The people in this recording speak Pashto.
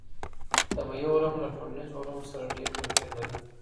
طبیعي علوم له ټولنیزو علومو سره ډېر توپیر لري.